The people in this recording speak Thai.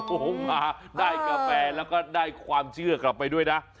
โอ้โหมาได้กาแฟแล้วก็ได้ความเชื่อกลับไปด้วยนะ